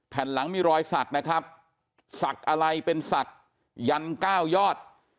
แผ่นหลังมีรอยสักนะครับสักอะไรเป็นสักยัน๙ยอด